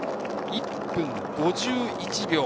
１分５１秒。